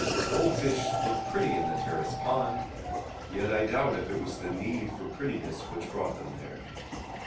Goldfish look pretty in the terrace pond, yet I doubt if it was the need for prettiness which brought them there.